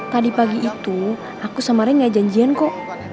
tadi pagi itu aku sama ray nggak janjian kok